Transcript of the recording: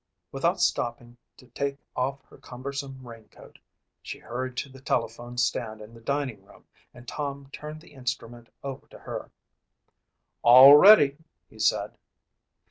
Without stopping to take off her cumbersome raincoat, she hurried to the telephone stand in the dining room and Tom turned the instrument over to her. "All ready," he said.